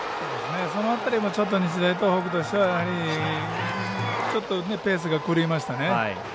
その辺り日大東北としてはペースが狂いましたね。